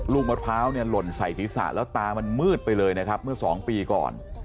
มะพร้าวเนี่ยหล่นใส่ศีรษะแล้วตามันมืดไปเลยนะครับเมื่อสองปีก่อน